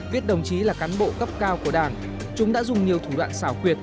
viết đồng chí là cán bộ cấp cao của đảng chúng đã dùng nhiều thủ đoạn xảo quyệt